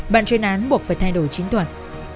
bạn chuyên án buộc phải thay đổi chính thuật